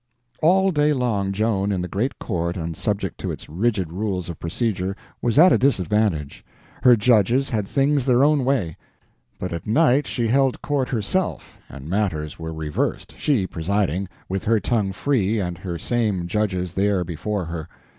All day long Joan, in the great court and subject to its rigid rules of procedure, was at a disadvantage; her judges had things their own way; but at night she held court herself, and matters were reversed, she presiding, with her tongue free and her same judges there before her.